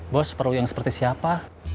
bos perlu yang seperti apa